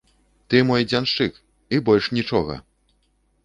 Ты мой дзяншчык, і больш нічога.